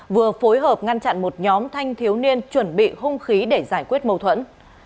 vừa phối hợp ngăn chặn một nhóm thanh thiếu niên chuẩn bị hung khí để giải quyết mâu thuẫn